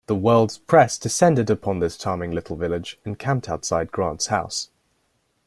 The world's press descended upon this charming little village and camped outside Grant's house.